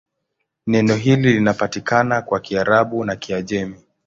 Neno hili linapatikana kwa Kiarabu na Kiajemi.